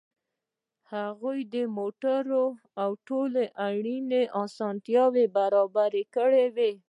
هغوی موټر او ټولې اړینې اسانتیاوې برابرې کړې